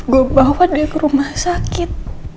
gue bawakan dia ke rumah sakit